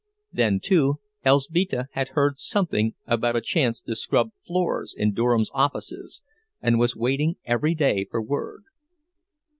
Then, too, Elzbieta had heard something about a chance to scrub floors in Durham's offices and was waiting every day for word.